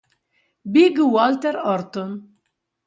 Big Walter Horton